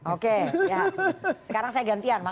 oke sekarang saya gantian